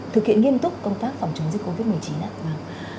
thực hiện nghiêm túc công tác phòng chống dịch covid một mươi chín ạ